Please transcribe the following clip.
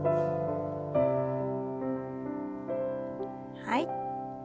はい。